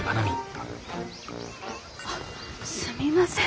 あっすみません。